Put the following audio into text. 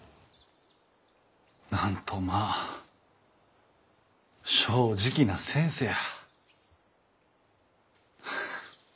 なんとまぁ正直な先生や。